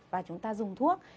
và chúng ta dùng thuốc